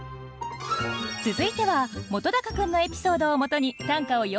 続いては本君のエピソードをもとに短歌を詠んでみましょう。